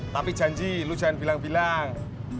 tapi janji lu jangan bilang bilang